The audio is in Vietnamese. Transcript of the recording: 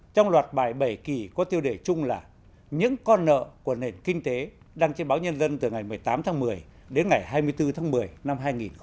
trong loạt bài bảy kỳ có tiêu đề chung là những con nợ của nền kinh tế đăng trên báo nhân dân từ ngày một mươi tám tháng một mươi đến ngày hai mươi bốn tháng một mươi năm hai nghìn một mươi chín